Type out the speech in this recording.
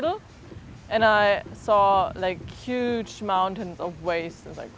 dan saya melihat gunung gunungan wisatawan besar